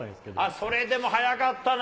それでも速かったな。